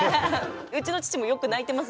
うちの父もよく泣いてます